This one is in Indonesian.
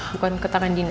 bukan ke tangan dina